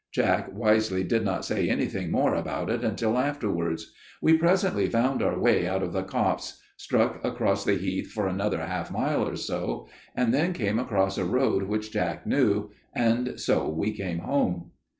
Jack wisely did not say anything more about it until afterwards. We presently found our way out of the copse, struck across the heath for another half mile or so, and then came across a road which Jack knew, and so we came home.